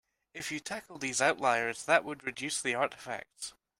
If you tackled these outliers that would reduce the artifacts.